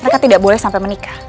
mereka tidak boleh sampai menikah